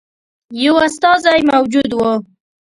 یو استازی موجود وو.